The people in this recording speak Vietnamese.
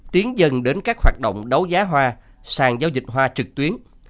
tiến dần đến các hoạt động đấu giá hoa sàn giao dịch hoa trực tuyến